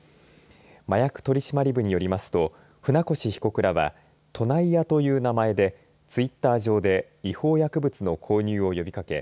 麻薬取締部によりますと船越被告らは都内屋という名前でツイッター上で違法薬物の購入を呼びかけ